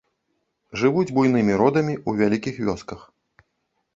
Жывуць буйнымі родамі ў вялікіх вёсках.